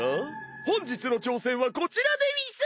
本日の挑戦はこちらでうぃす！